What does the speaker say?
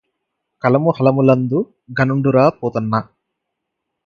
కలము హలములందు ఘనుండురా Pothanna